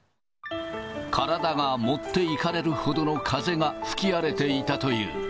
体が持っていかれるほどの風が吹き荒れていたという。